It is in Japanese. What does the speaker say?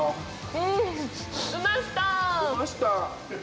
うました。